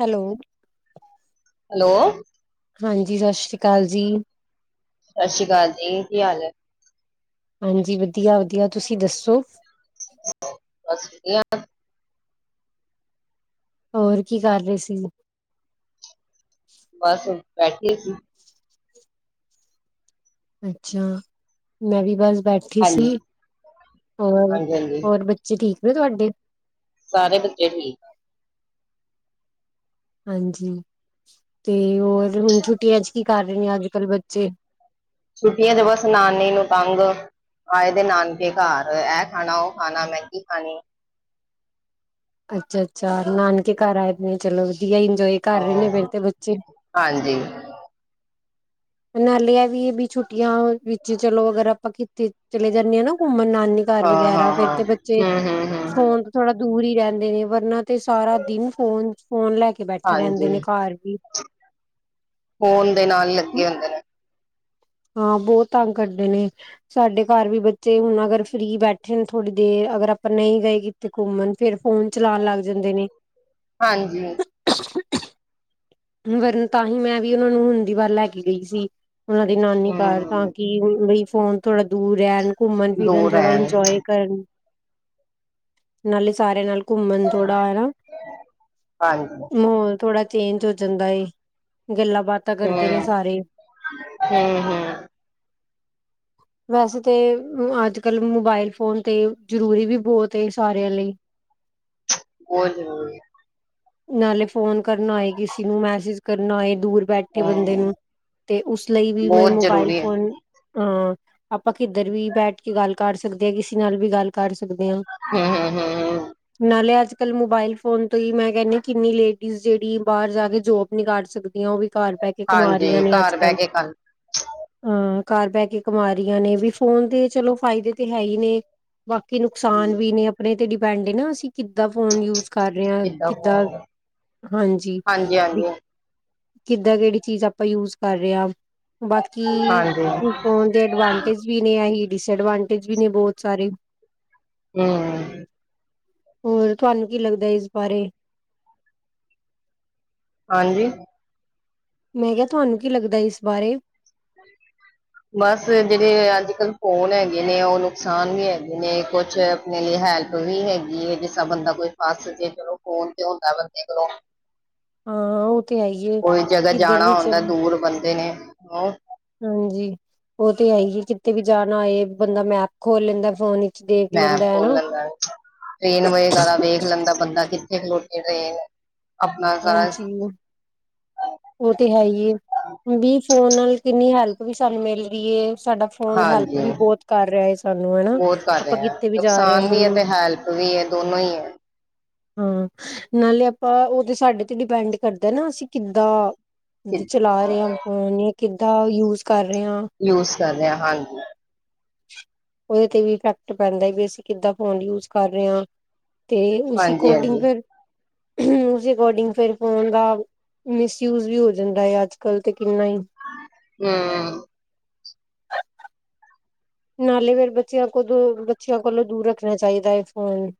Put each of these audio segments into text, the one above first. Hello? Hello? ਹਾਂਜੀ, ਸਤਿ ਸ੍ਰੀ ਅਕਾਲ ਜੀ। ਸਤਿ ਸ਼੍ਰੀ ਅਕਾਲ ਜੀ, ਕੀ ਹਾਲ ਐ? ਹਾਂਜੀ, ਵਧੀਆ-ਵਧੀਆ, ਤੁਸੀਂ ਦੱਸੋ? ਬਸ ਵਧੀਆ। ਹੋਰ, ਕੀ ਕਰ ਰਹੇ ਸੀ? ਬਸ ਬੈਠੀ ਸੀ। ਅੱਛਾ, ਮੈਂ ਵੀ ਬਸ ਬੈਠੀ ਸੀ ਹਾਂਜੀ ਹੋਰ, ਹਾਂਜੀ ਹਾਂਜੀ ਹੋਰ ਬਚ ਚੇ ਠੀਕ ਨੇ ਤੁਹਾਡੇ? ਸਾਰੇ ਬੱਚੇ ਠੀਕ ਨੇ। ਹਾਂਜੀ, ਤੇ ਹੋਰ ਹੁਣ ਛੁੱਟੀਆਂ ਚ ਕੀ ਕਰ ਰਹੇ ਨੇ, ਅੱਜ ਕੱਲ੍ਹ ਬੱਚੇ? ਛੁੱਟੀਆਂ ਚ ਬਸ ਨਾਨੀ ਨੂੰ ਤੰਗ। ਆਏ ਦੇ ਨਾਨਕੇ ਘਰ ਐ ਖਾਣਾ, ਔ ਖਾਨਾ ਮੈਗੀ ਖਾਨੀ। ਅੱਛਾ ਅੱਛਾ। ਨਾਨਕੇ ਘਰ ਆਏ ਨੇ, ਚਲੋ ਵਧੀਆ ਇੰਜੋਏ ਕਰ ਰੇ ਨੇ ਫੇਰ ਹਾਂ ਤੇ ਬੱਚੇ। ਹਾਂਜੀ। ਨਾਲੇ ਐਵੀ ਏ ਬੀ ਛੁੱਟੀਆਂ ਵਿੱਚ, ਚਲੋ ਅਗਰ ਆਪਾਂ ਕਿੱਤੇ ਚਲੇ ਜਾਂਨੇ ਆਂ ਨਾ ਘੁੰਮਣ ਨਾਨੀ ਘਰ ਹਾਂ ਵਗੈਰਾ ਹਾਂ ਫੇਰ ਹਾਂ ਤੇ ਬੱਚੇ ਹਮ ਹਮ ਹਮ ਫੋਨ ਥੋੜਾ ਦੂਰ ਈ ਰੈਂਦੇ ਨੇ। ਵਰਨਾ ਤੇ ਸਾਰਾ ਦਿਨ ਫੋਨ ਫੋਨ ਲੈ ਕੇ ਬੈਠੇ ਰੈਂਦੇ ਹਾਂਜੀ ਨੇ ਘਰ ਵੀ। ਫੋਨ ਦੇ ਨਾਲ ਲੱਗੇ ਹੁੰਦੇ ਨੇ। ਹਾਂ, ਬੋ ਤੰਗ ਕਰਦੇ ਨੇ। ਸਾਡੇ ਘਰ ਵੀ ਬੱਚੇ ਹੁਣ ਅਗਰ ਫ੍ਰਰੀ ਬੈਠੇ ਨੇ ਥੋੜੀ ਦੇਰ ਅਗਰ ਅਪ ਨਈ ਗਏ ਤੇ ਘੁੰਮਣ ਫੇਰ ਫੋਨ ਚਲਾਨ ਲੱਗ ਜਾਂਦੇ ਨੇ। ਹਾਂਜੀ। ਵਰਨ ਤਾਂ ਹੀ ਮੈਂ ਵੀ ਓਨਾਂ ਨੂੰ ਹੁੰਦੀਵਾਰ ਲੈ ਕੇ ਗਈ ਸੀ। ਉਹਨਾਂ ਦੀ ਨਾਨੀ ਘਰ। ਤਾਂ ਹਮ ਕਿ ਬਈ ਫੋਨ ਥੋੜਾ ਦੂਰ ਰੈਣ। ਘੁੰਮਣ ਫਿਰਨ ਦੂਰ ਥੋੜਾ ਰਹਿਣ ਇੰਜੋਏ ਕਰਨ। ਨਾਲੇ ਸਾਰੇਆਂ ਨਾਲ ਘੁੰਮਣ ਥੋੜਾ ਹੈਨਾ। ਹਾਂਜੀ ਮਹੋਲ ਥੋੜਾ ਚੇਂਜ ਹੋ ਜਾਂਦਾ ਏ। ਗੱਲਾਂ ਬਾਤ ਹਾ, ਹਾਂ ਹਾਂ। ਵੈਸੇ ਤੇ ਅੱਜ-ਕੱਲ ਮੋਬਾਇਲ ਫੋਨ ਤੇ ਜਰੂਰੀ ਵੀ ਬੋਤ ਏ ਸਾਰੇਆਂ ਲਈ। ਬੋਤ ਜਰੂਰੀ ਏ। ਨਾਲੇ ਫੋਨ ਕਰਨਾ ਹੋਏ ਕਿਸੀ ਨੂੰ, ਮੈਸੇਜ ਕਰਨਾ ਹੋਏ ਦੂਰ ਹੈ ਬੈਠੇ ਬੰਦੇ ਹਮ ਨੂੰ, ਤੇ ਉਸ ਲਈ ਵੀ ਮੈਂ ਬਹੁਤ ਮੋਬਾਇਲ ਜ਼ਰੂਰੀ ਹੈ ਫੋਨ ਹਾਂ। ਆਪਾਂ ਕਿੱਧਰ ਵੀ ਬੈਠ ਕੇ ਗੱਲ ਕਰ ਸਕਦੇ ਆਂ, ਕਿਸੇ ਨਾਲ ਵੀ ਗੱਲ ਕਰ ਸਕਦੇ ਆਂ। ਹਾਂ ਹਾਂ ਹਾਂ ਹਾਂ। ਨਾਲੇ ਅੱਜ ਕੱਲ ਮੋਬਾਇਲ ਫੋਨ ਤੋਂ ਈ ਮੈਂ ਕੈਨੀ ਕਿੰਨੀ ਲੇਡੀਜ਼ ਜੇੜੀ ਬਾਰ ਜਾ ਕੇ ਜੋਬ ਨੀ ਕਰ ਸਕਦੀਆਂ ਓ ਵੀ ਘਰ ਬੈਠ ਕੇ ਹਾਂਜੀ ਕਮਾਰੀਆਂ ਨੇ ਘਰ ਬਹਿ ਅੱਜ-ਕੱਲ੍ਹ। ਕੇ ਕਰ ਹਾਂ, ਘਰ ਬੈ ਕੇ ਕਮਾ ਰੀਆਂ ਨੇ, ਵੀ ਫੋਨ ਦੇ ਚਲੋ ਫਾਇਦੇ ਤੇ ਹੈ ਈ ਨੇ। ਬਾਕੀ ਨੁਕਸਾਨ ਵੀ ਨੇ ਅਪਣੇ ਤੇ ਡਿਪੈਂਡ ਏਨਾ ਅਸੀ ਕਿੱਦਾਂ ਫੋਨ ਯੂਜ਼ ਕਰ ਰੇ ਆਂ। ਕਿੱਦਾਂ ਦਾ, ਹੋਣਗੇ ਹਾਂਜੀ। ਵੀ ਹਾਂਜੀ ਕਿੱਦਾਂ ਕੇੜੀ ਚੀਜ਼ ਆਪਾਂ ਯੂਜ ਕਰਰੇ ਆਂ। ਬਾਕੀ ਹਾਂਜੀ ਹਾਂਜੀ ਹੂੰ ਫੋਨ ਦੇ ਐਡਵਾਂਟੇਜ ਵੀ ਨੇ ਐਹੀ, ਡਿਸਐਡਵਾਂਟੇਜ ਵੀ ਨੇ ਬੋਤ ਸਾਰੇ। ਹਾਂ। ਹੋਰ ਤੁਹਾਨੂੰ ਕੀ ਲੱਗਦਾ ਇਸ ਬਾਰੇ? ਹਾਂਜੀ। ਮੈਂ ਕੇਆ ਤੁਹਾਨੂੰ ਕੀ ਲੱਗਦਾ ਇਸ ਬਾਰੇ? [unintelligible] ਬਸ ਜੇੜੇ ਅੱਜ-ਕੱਲ ਫੋਨ ਹੈਗੇ ਨੇ, ਓ ਨੁਕਸਾਨ ਵੀ ਹੈਗੇ ਨੇ ਕੁਛ ਲਈ ਹੈਲਪ ਵੀ ਹੈਗੀ ਏ, ਜਿਸਾ ਬੰਦਾ ਕੋਈ ਫਸ ਜੇ ਚਲੋ ਫੋਨ ਤੇ ਹੁੰਦਾ ਬੰਦੇ ਕੋਲੋਂ। ਹਾਂ। ਔ ਤੇ ਹੈਈ ਏ ਕੋਈ ਜਗ੍ਹਾ ਕਿੱਧਰ ਜਾਣਾ ਵੀ ਹੁੰਦਾ ਚਲ ਦੂਰ ਬੰਦੇ ਨੇ ਉਹ ਹਾਂਜੀ। ਓ ਤੇ ਹੈ ਈ ਏ, ਕਿਤੇ ਵੀ ਜਾਣਾ ਹੋਏ ਬੰਦਾ ਮੈਪ ਖੋਲ ਲੈਂਦਾ ਫੋਨ ਦੇਖ ਲੈਂਦਾ ਮੈਪ ਐ ਨਾ। [unintelligible] ਟ੍ਰੇਨ ਵਗੈਰਾ ਵੇਖ ਲੈਂਦਾ ਬੰਦਾ ਕਿੱਥੇ ਖਲੋਤੀ ਟ੍ਰੇਨ। ਅਪਣਾ ਸਾਰਾ ਓ ਤੇ ਹੈ ਈਏ। ਵੀ ਫੋਨ ਨਾਲ ਕਿੰਨੀ ਹੈਲਪ ਵੀ ਸਾਨੂੰ ਮਿਲ ਰੀ ਏ ਸਾਡਾ ਫੋਨ ਹੈਲਪ ਵੀ ਹਾਂਜੀ ਬੋਤ ਕਰ ਰੇਆ ਐ ਸਾਨੂੰ ਹੈਨਾ, ਬਹੁਤ ਕਰ ਆਪਾਂ ਰਹੇ ਹੈ ਕਿੱਤੇ ਵੀ ਜਾ ਰੇ ਨੁਕਸਾਨ ਵੀ ਹੈ ਹੂੰ। ਤੇ ਹੈਲਪ ਵੀ ਐ, ਦੋਨੋਂ ਈ ਐ। ਹਾਂ, ਨਾਲੇ ਆਪਾਂ ਓ ਤੇ, ਸਾਡੇ ਤੇ ਡਿਪੈਂਡ ਕਰਦੈ ਨਾ ਅਸੀ ਕਿੱਦਾਂ ਚਲਾ ਰਏ ਆਂ ਫੋਨ, ਕਿੱਦਾਂ ਯੂਜ਼ ਕਰ ਰਏ ਆਂ। ਯੂਜ਼ ਕਰ ਰਏ ਆਂ, ਹਾਂਜੀ। [inaudible] ਓਦੇ ਤੇ ਵੀ ਇਫੈਕਟ ਪੈਂਦੈ ਵੀ, ਅਸੀਂ ਕਿੱਦਾਂ ਫੋਨ ਯੂਜ਼ ਕਰ ਰੇ ਆਂ। ਤੇ, ਉਸ ਹਾਂਜੀ ਅਕੋਡਿੰਗ ਹਾਂਜੀ ਫੇਰ, ਉਸ ਅਕੋਡਿੰਗ ਫੇਰ ਫੋਨ ਦਾ ਮਿਸ ਯੂਜ਼ ਵੀ ਹੋ ਜਾਂਦੈ, ਅੱਜ-ਕੱਲ ਤੇ ਕਿੰਨਾ ਈ। ਹਮ। ਨਾਲੇ, ਫੇਰ ਬੱਚੇਆਂ ਕੋ ਦੂਰ ਬੱਚੇਆਂ ਕੋਲੋਂ ਦੂਰ ਰੱਖਣਾ ਚਾਹੀਦੈ ਫੋਨ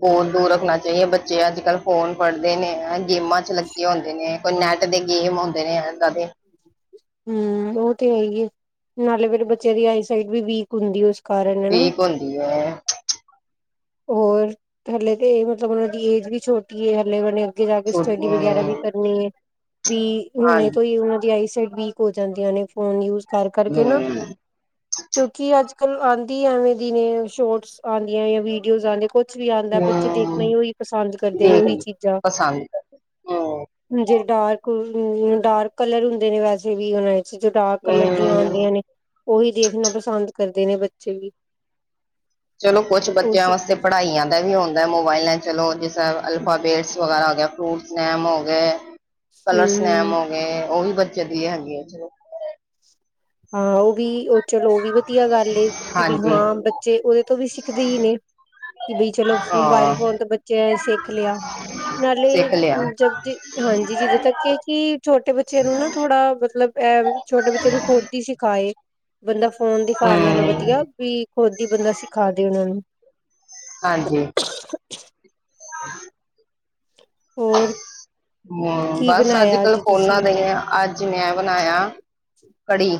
ਬੌਤ ਦੂਰ ਰੱਖਨਾ ਚਾਹੀਏ, ਬੱਚੇ ਅੱਜ -ਕੱਲ ਫੋਨ ਫੜਦੇ ਨੇ, ਗੇਮਾਂ 'ਚ ਲੱਗੇ ਹੁੰਦੇ ਨੇ। ਕੋਈ ਨੈੱਟ ਦੇ ਗੇਮ ਹੁੰਦੇ ਨੇ, ਇੱਦਾਂ ਦੇ। ਹਮ, ਓ ਤੇ ਹੈ ਈ ਐ, ਨਾਲੇ ਫੇਰ ਬੱਚੇਆਂ ਦੀ ਆਈਸਾਈਟ ਵੀ ਵੀਕ ਹੁੰਦੀ ਓਸ ਕਾਰਨ ਹੈਨਾ। ਵੀਕ ਹੁੰਦੀ ਹੈ ਹੋਰ, ਹਲੇ ਤੇ, ਮਤਲਬ ਓਨਾਂ ਦੀ ਏਜ ਵੀ ਛੋਟੀ ਏ ਹਲੇ ਓਨਾਂ ਨੇ ਅੱਗੇ ਜਾ ਕੇ, ਸਟੱਡੀ ਛੋਟੀ ਵਗੈਰਾ ਵੀ ਕਰਨੀ ਐ, ਵੀ ਹੁਨੇ ਹਾਂਜੀ ਤੋਂ ਈ ਓਨਾਂ ਦੀ ਆਈ ਸਾਈਟ ਵੀ ਹੋ ਜਾਂਦੀਆਂ ਨੇ, ਫੋਨ ਯੂਜ਼ ਕਰ-ਕਰ ਕੇ ਨਾ। ਹਮ ਕਿਉਂਕਿ ਅੱਜ-ਕੱਲ ਆਂਦੀ ਐਵੇਂ ਦੀ ਨੇ, ਸ਼ੋਰਟਸ ਆਂਦੀਆਂ ਯਾ ਵੀਡੀਓਜ਼ ਆਂਦੇ ਕੁਛ ਕੁਛ ਵੀ ਆਂਦਾ, ਬੱਚੇ ਦੇਖਨਾ ਹਮ ਈ ਓਈ ਪਸੰਦ ਕਰਦੇ ਨੇ, ਦੇਖ ਓਹੀ ਚੀਜਾਂ। ਪਸੰਦ ਕਰਦੇ। ਜੇਰੇ ਡਾਰਕ, ਡਾਰਕ ਕਲਰ ਹੁੰਦੇ ਨੇ, ਵੈਸੇ ਵੀ ਓਨਾਂ ਜੋ ਡਾਰਕ ਕਲਰ ਦੀਆਂ ਹਮ ਹਮ ਆਂਦੀਆਂ ਨੇ, ਓਹੀ ਦੇਖਨਾ ਪਸੰਦ ਕਰਦੇ ਨੇ, ਬੱਚੇ ਵੀ। ਚਲੋ ਕੁਛ, ਉਹ ਬੱਚੇਆਂ ਵਾਸਤੇ ਪੜਾਈਆਂ ਦਾ ਵੀ ਹੁੰਦਾ, ਮੋਬਾਈਲਾਂ ਚਲੋ ਜਿਸ ਅਲਫਾਬੇਟਸ ਵਗੈਰਾ ਹੋ ਗੇਆ, ਫਰੂਟਸ ਨੇਮ ਹੋ ਗੇ। ਕਲਰਸ ਨੇਮ ਹਮ ਹੋ ਗੇ, ਓ ਵੀ ਬੱਚੇ ਦੀ ਹੈਗੀ ਐ, ਚਲੋ ਹਾਂ ਓ ਵੀ, ਓ ਚਲੋ ਓ ਵੀ ਵਧੀਆ ਗੱਲ ਏ। ਕਿ ਵੀ ਹਾਂਜੀ ਹਾਂ, ਬੱਚੇ ਓਦੇ ਤੋਂ ਵੀ ਸਿੱਖਦੇ ਈ ਨੇ। ਕਿ ਬਈ ਚਲੋ, ਮੋਬਾਈਲ ਹਾਂ ਫੋਨ ਤੋਂ ਬੱਚੇਐ ਸਿੱਖ ਲੇਆ। ਨਾਲੇ, ਸਿੱਖ ਲਿਆ ਜਦ ਹਾਂਜੀ, ਜਿਦੋਂ ਤੱਕ ਕਿ ਕੀ ਛੋਟੇ ਬੱਚੇਆਂ ਨੂੰ ਨਾ, ਥੋੜਾ ਮਤਲਬ ਐ, ਛੋਟੇ ਬੱਚੇਆਂ ਨੂੰ ਖੁ ਦ ਈ ਸਿਖਾਏ, ਬੰਦਾ ਫੋਨ ਦਿਖਾਨ ਨਾਲੋਂ ਹਮ ਵਦੀਆ ਵੀ ਖੁਦ ਈ ਬੰਦਾ ਸਿਖਾ ਦੇ, ਓਨਾਂ ਨੂੰ। ਹਾਂਜੀ। [inaudible] [unintelligible] ਹੋਰ। ਕੀ ਬਸ ਬਣਾਇਆ ਅੱਜ-ਕੱਲ, ਅੱਜ ਫੋਨਾਂ ਤੁਸੀਂ? ਦਾ ਈ ਐ, ਅੱਜ ਮੈਂ ਐ ਬਨਾਏਆ ਕੜੀ।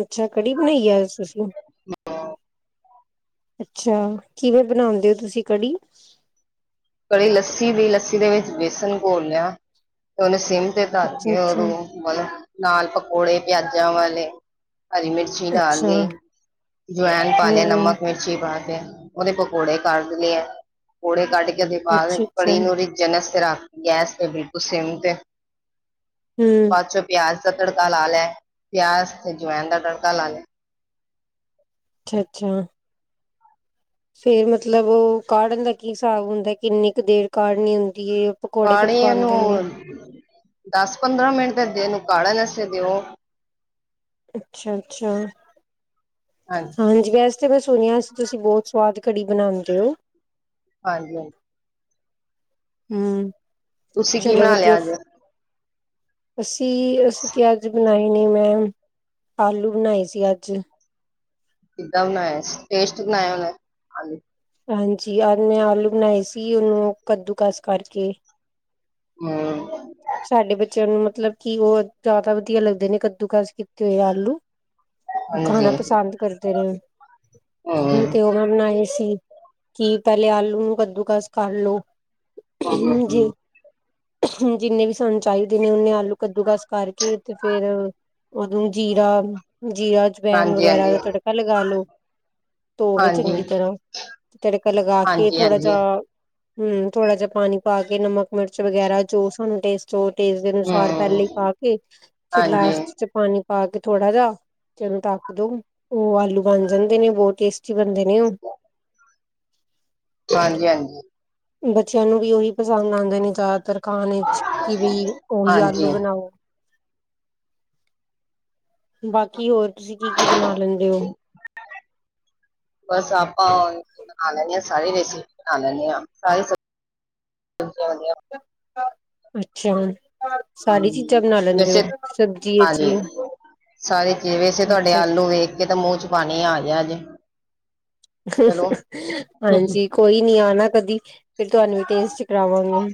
ਅੱਛਾ, ਕੜੀ ਬਣਾਈ ਐ ਅੱਜ ਤੁਸੀ? [inaudible] ਅੱਛਾ, ਕਿਵੇਂ ਬਨਓਂਦੇ ਓ ਤੁਸੀਂ ਕੜੀ? ਕੜੀ ਲੱਸੀ ਦੀ, ਲੱਸੀ ਦੇ ਵਿੱਚ ਵੇਸਨ ਘੋਲ ਲੇਆ, ਓਨੇ ਸਿਮ ਤੇ ਕਰ ਅੱਛਾ ਕੇ ਅੱਛਾ ਓਨੂੰ। ਨਾਲ ਪਕੌੜੇ ਪੇਆਜਾਂ ਵਾਲੇ, ਹਰੀ ਮਿਰਚ ਚੀ, ਡਾਲ ਅੱਛਾ ਲੀ, ਜਵੈਨ ਪਾ ਲੈ ਹਮ ਨਮਕ-ਮਿਰਚ। ਚੀ, ਪਾ ਕੇ, ਓਦੇ ਪਕੌੜੇ ਕੱਢ ਲੇ ਐ, ਪਕੌੜੇ ਕੱਢ ਕੇ ਓਦੇ ਬਾਦ ਅੱਛਾ ਅੱਛਾ ਕੜੀ ਨੂੰ ਰਿਝ [unintelligible] ਗੈਸ ਫੇਰ ਬਿਲਕੁਲ ਸਿਮ ਤੇੇ ਹੂੰ। ਬਾਦ ਚੋਂ ਪਿਆਜ ਦਾ ਤੜਕਾ ਲਾ ਲੈ, ਪਿਆਜ ਤੇ ਜਵੈਨ ਦਾ ਤੜਕਾ ਲਾ ਲੈ। ਅੱਛਾ ਅੱਛਾ। ਫੇਰ ਮਤਲਬ ਓ ਕਾੜਨ ਦਾ ਕੀ ਹਿਸਾਬ ਹੁੰਦਾ ਕਿੰਨੀ ਕੁ ਦੇਰ ਕਾੜਨੀ ਹੁੰਦੀ ਏ। ਪਕੌੜੇ ਪਾਣੀ ਕਦ ਪਾਉਂਦੇ ਨੇ ਓਨੂੰ ਦਸ ਪੰਦਰਾਂ ਮਿੰਟ ਤੇ ਦੇ ਏਹਨੂੰ ਕਾੜਣ ਆਸੇ ਦਿਓ। ਅੱਛਾ-ਅੱਛਾ ਹਾਂਜੀ ਵੈਸ ਮੈਂ ਸੁਨਿਆ ਸੀ, ਤੁਸੀਂ ਬੋਤ ਸਵਾਦ ਕੜੀ ਬਨਾਂਦੇ ਓ। ਹਾਂਜੀ-ਹਾਂਜੀ। ਹਮ, ਤੁਸੀਂ ਕੀ ਚਲੋ ਬਣਾ ਵਦੀਆ। ਲਿਆ ਅੱਜ ਅਸੀਂ, ਅਸੀਂ ਤੇ ਅੱਜ ਬਨਾਏ ਨੀ ਮੈ, ਆਲੂ ਬਨਾਏ ਸੀ ਅੱਜ। ਕਿੱਦਾ ਬਨਾਯਾ ਸੀ ਟੇਸਟ ਬਨਾਯਾ ਹੋਨਾ ਐ। ਹਾਂਜੀ ਅੱਜ ਮੈ ਆਲੂ ਬਨਾਏ ਸੀ ਓਨੂੰ ਕੱਦੂ ਕਸ ਕਰਕੇ। ਹਮ। ਸਾਡੇ ਬੱਚਿਆਂ ਨੂੰ ਮਤਲਬ ਕੀ ਓ ਜਾਦਾ ਵਦੀਆ ਲੱਗਦੇ ਨੇ ਕੱਦੂ ਕਸ ਕੀਤੇ ਹੋਏ ਆਲੂ। ਓ ਹਾਂਜੀ ਖਾਨਾ ਪਸੰਦ ਕਰਦੇ ਨੇ ਹੁਮ ਹੂੰ ਤੇ ਓ ਮੈ ਬਨਾਏ ਸੀ। ਕਿ ਪੇਲੇ ਆਲੂ ਨੂੰ ਕੱਦੂ ਕਾਸ ਕਰ ਲੋ ਹੂੰ ਹੂੰ ਜੇ ਹੂੰ ਜਿੰਨੇ ਵੀ ਸਾਨੂੰ ਚਾਈਦੇ ਨੇ ਓਨੇ ਆਲੂ ਕੱਦੂ ਕਸ ਕਰਕੇ ਤੇ ਫੇਰ ਓਨੂੰ ਜੀਰਾ ਜੀਰਾ ਅਜਵੈਨ ਹਾਂਜੀ ਵਗੈਰਾ ਹਾਂਜੀ ਦਾ ਤੜਕਾ ਲਗਾ ਲੋ। ਧੋ ਕੇ ਹਾਂਜੀ ਚੰਗੀ ਤਰਾ ਤੜਕਾ ਲਗਾ ਕੇ ਹਾਂਜੀ ਥੋੜਾ ਜਾ ਹਾਂਜੀ ਹਮ, ਥੋੜਾ ਜਾ ਪਾਨੀ ਪਾ ਕੇ ਨਮਕ-ਮਿਰਚ ਵਗੈਰਾ ਜੋ ਸਾਨੂੰ ਟੇਸਟ ਜੋ ਟੇਸਟ ਦੇ ਅਨੁਸਾਰ ਪੇਲੇ ਈ ਹੂੰ, ਪਾ ਕੇ ਫੇਰ ਹਾਂਜੀ, ਲਾਸਟ ਚ ਪਾਨੀ ਪਾ ਕੇ ਥੋੜਾ ਜਾ ਫੇਰ ਓਨੁ ਢੱਕ ਦੋ ਓ ਆਲੂ ਬਨ ਜਾਂਦੇ ਨੇ ਬੋਤ ਟੇਸਟੀ ਬਨਦੇ ਨੇ। [unintelligible] ਹਾਂਜੀ ਹਾਂਜੀ। ਬੱਚਿਆਂ ਨੂੰ ਵੀ ਓਹੀ ਪਸੰਦ ਆਂਦੇ ਨੇ ਜਾਦਾਤਰ ਖਾਨ ਚ ਕੀ ਬੀ ਓਹੀ ਆਲੂ ਹਾਂਜੀ। ਬਨਾਓ। ਬਾਕੀ ਹੋਰ ਤੁਸੀਂ ਕੀ ਕੀ ਬਨਾ ਲੈਂਦੇ ਓ? ਬਸ ਆਪਾਂ ਬਨਾ ਲੈਨੇ ਆ ਸਾਰੀ ਰੈਸੀਪੀ ਬਨਾ ਲੈਨੇ ਆ ਸਾਰੀ ਸਬ [unintelligible] ਅੱਛਾ ਹੁਨ। ਸਾਰੀ ਚੀਜਾ ਹੂੰ, ਬਨਾ ਲੈਂਦੇ ਵੈਸੇ ਓ ਸਬਜੀ ਚ ਹਾਂਜੀ, ਵੀ? ਸਾਰੀ ਚੀਜ ਵੈਸੇ ਤਾਡੇ ਅੱਛਾ ਆਲੂ ਵੇਖ ਕੇ ਤੇ ਮੂੰਹ ਚ ਪਾਨੀ ਆ ਗਆ ਜੇ। ਚਲੋ, ਹਾਂਜੀ ਕੋਈ ਨੀ ਆਨਾ ਕਦੀ ਫੇਰ ਤੁਆਨੂੰ ਵੀ ਟੇਸਟ ਕਰਾਵਾਂਗੇ।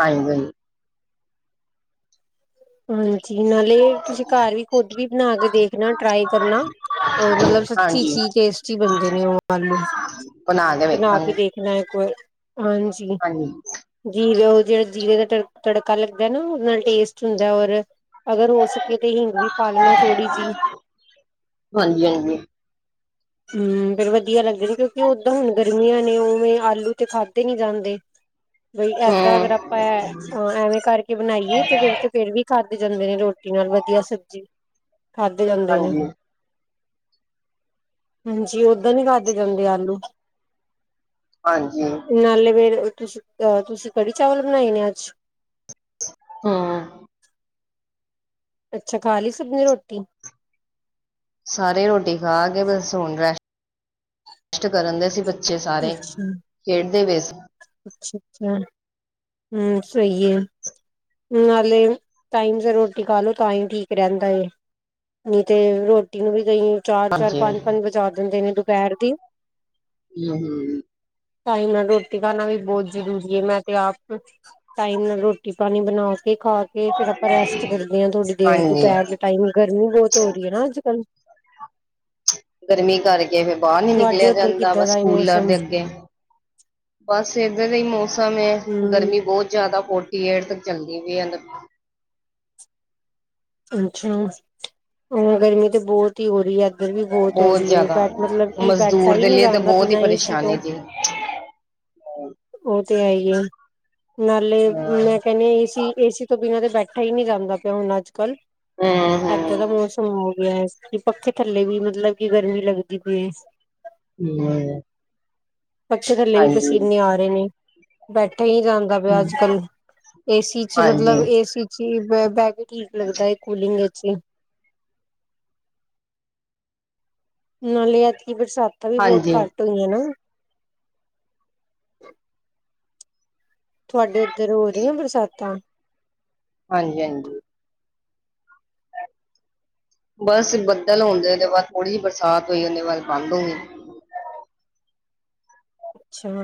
ਹਾਂਜੀ। ਹਾਂਜੀ ਨਾਲੇ ਤੁਸੀਂ ਘਰ ਵੀ ਖੁਦ ਵੀ ਬਨਾ ਕੇ ਦੇਖਨਾ ਟ੍ਆਈ ਕਰਨਾ। ਅ ਮਤਲਬ ਸੱਚੀ ਚ ਹਾਂਜੀ ਈ ਟੇਸਟੀ ਬਨਦੇ ਨੇ ਓ ਆਲੂ। ਬਨਾ ਕੇ ਵੇਖਾਂਗੇ। ਮੈ ਇੱਕ ਵ ਹਾਂਜੀ। ਜੀਰੇ ਓ ਜਿਹੜਾ ਜੀਰੇ ਦਾ ਤੜ ਤੜਕਾ ਲੱਗਦਾ ਨਾ ਓਦੇ ਨਾਲ ਟੇਸਟ ਹੁੰਦਾ ਐ ਔਰ ਅਗਰ ਹੋ ਸਕੇ ਤੇ ਹਿੰਗ ਵੀ ਪਾ ਲੈਨਾ ਥੋੜੀ ਜੀ। ਹਾਂਜੀ ਹਾਂਜੀ। ਹਮ ਫੇਰ ਵਧੀਆ ਲੱਗਦੇ ਨੇ ਕਓਕਿ ਓਦਾਂ ਹੁਨ ਗਰਮੀਆਂ ਨੇ ਓਵੇਂ ਆਲੂ ਤੇ ਖਾਦੇ ਨੀ ਜਾਂਦੇ। ਬਈ ਏਦਾ ਅਗਰ ਹੂੰ, ਆਪਾਂ ਐਵੇ ਕਰਕੇ ਬਨਾਈਏ ਤੇ ਫੇਰ ਤੇ ਫੇਰ ਵੀ ਖਾਧੇ ਜਾਂਦੇ ਨੇ ਰੋਟੀ ਨਾਲ ਵਧੀਆ ਸਬਜੀ ਖਾਧੇ ਜਾਂਦੇ ਨੇ। ਹਾਂਜੀ, [inaudible] ਹਾਂਜੀ ਓਦਾਂ ਨੀ ਖਾਦੇ ਜਾਂਦੇ ਆਲੂ। ਹਾਂਜੀ। ਨਾਲੇ ਫੇਰ ਤੁਸੀਂ ਅ ਤੁਸੀਂ ਕੜੀ ਚਾਵਲ ਬਣਾਏ ਨੇ ਅੱਜ? ਹਾਂ। ਅੱਛਾ, ਖਾ ਲੀ ਸਬਨੇ ਰੋਟੀ। ਸਾਰੇ ਰੋਟੀ ਖਾ ਕੇ ਬਸ ਹੁਨ ਰੈਸ ਸਟ ਕਰਨ ਦੇ ਸੀ ਬਚ ਚੇ ਸਾਰੇ ਖੇਡਦੇ ਪਏ ਸੀ। ਅੱਛਾ-ਅੱਛਾ, ਹੂੰ ਸਈ ਏ। ਨਾਲੇ ਟਾਈਮ ਸੇਰ ਰੋਟੀ ਖਾਲੋ ਤਾਂ ਈ ਠੀਕ ਰੈਂਦਾ ਏ। ਨੀ ਤੇ ਰੋਟੀ ਨੂੰ ਵੀ ਕਈ ਚਾਰ-ਚਾਰ, ਹਾਂਜੀ ਪੰਜ-ਪੰਜ ਹੂੰ ਵਜਾ ਦਿੰਦੇ ਨੇ ਦੁਪਹਿਰ ਦੀ। ਹੂੰ-ਹੂੰ। ਟਾਈਮ ਨਾਲ ਰੋਟੀ ਖਾਨਾ ਵੀ ਬੋਤ ਜਰੂਰੀ ਏ, ਮੈਂ ਤੇ ਆਪ ਟਾਈਮ ਨਾਲ ਰੋਟੀ ਪਾਨੀ ਬਨਾ ਕੇ ਖਾ ਕੇ ਫੇਰ ਆਪਾਂ ਰੈਸਟ ਕਰਦੇ ਆਂ ਥੋੜ੍ਹੀ ਦੇਰ ਹਾਂਜੀ ਦੁਪਹਿਰ ਦੇ ਟਾਈਮ ਗਰਮੀ ਬੋਤ ਹੋ ਰੀ ਏ ਨਾ ਅੱਜ-ਕੱਲ। ਗਰਮੀ ਕਰਕੇ ਫਿਰ ਬਾਰ ਨੀ ਤੁਹਾਡੇ ਨਿਕਲਿਆ ਉੱਧਰ ਜਾਂਦਾ ਕਿੱਦਾਂ ਬਸ ਦਾ ਏ ਕੂਲਰ ਮੌਸਮ ਦੇ ਅੱਗੇ। ਬਸ ਏਧਰ ਦਾ ਈ ਮੌਸਮ ਏ, ਹਮ ਗਰਮੀ ਬੋਤ ਜਾਦਾ ਫੋਰਟੀ ਏਟ ਤੱਕ ਚੱਲਦੀ ਪਈ ਏ। ਅੱਛਾ, ਔਰ ਗਰਮੀ ਤੇ ਬੋਤ ਹੋ ਰੀ ਐ, ਗ਼ਰਮੀ ਬੋਤ ਹੋ ਬਹੁਤ ਰੀ ਏ, ਜ਼ਿਆਦਾ ਬੈਠ ਮਤਲਬ ਕਿ ਬੈਠਾ ਮਜ਼ਦੂਰ ਈ ਦੇ ਨੀ ਲਈ ਤਾਂ ਜਾਂਦਾ ਬਹੁਤ ਹੀ ਬਿਨਾਂ ਏਸੀ ਤੋਂ। ਪਰੇਸ਼ਾਨੀ ਜੀ ਓ ਤੇ ਹੈ ਈ ਏ ਨਾਲੇ ਹਾਂ ਮੈਂ ਬੈਨੇ ਏਸੀ, ਏਸੀ ਤੋਂ ਬਿਨਾਂ ਤੇ ਬੈਠਾ ਈ ਨੀ ਜਾਂਦਾ ਪਯਾ ਹੁਨ ਅੱਜ-ਕੱਲ। ਹੂੰ ਹੂੰ ਏਦਾਂ ਦਾ ਮੌਸਮ ਗਯਾ ਐ ਕਿ ਪੱਖੇ ਥੱਲੇ ਵੀ ਮਤਲਬ ਕਿ ਗਰਮੀ ਲੱਗਦੀ ਪਈ ਏ। [unintelligible] ਪਸ਼ੇ ਥੱਲੇ ਵੀ ਹਾਂਜੀ ਪਸੀਨੇ ਆ ਰੇ ਨੇ ਬੈਠੇ ਈ ਨੀ ਜਾਂ ਦਾ ਪਯਾ ਅੱਜ-ਕੱਲ, ਏਸੀ 'ਚ ਹਾਂਜੀ ਮਤਲਬ ਏਸੀ 'ਚ [unintelligible] ਲੱਗਦਾ ਏ ਕੂਲਿੰਗ 'ਚ ਈ। ਨਾਲੇ ਐਤਕੀ ਬਰਸਾਤਾਂ ਵੀ ਬੋਤ ਹਾਂਜੀ ਘੱਟ ਹੋਈ ਐ ਨਾ। ਤੁਹਾਡੇ ਓਧਰ ਹੋ ਰਿਆਂ ਬਰਸਾਤਾਂ? ਹਾਂਜੀ-ਹਾਂਜੀ। ਬਸ ਬੱਦਲ ਹੋਨ, ਹੋਨ ਦੇ ਬਾਦ ਥੋੜੀ ਜੀ ਬਰਸਾਤ ਹੋਈ ਓਦੇ ਬਾਦ ਬੰਦ ਹੋ ਗੀ। ਅੱਛਾ।